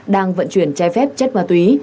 đang vận chuyển chai phép chất ma túy